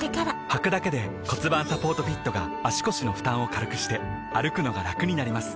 はくだけで骨盤サポートフィットが腰の負担を軽くして歩くのがラクになります